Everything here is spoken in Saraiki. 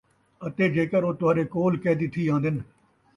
اَتے جیکر او تہاݙے کولھ قیدی تھی آندن،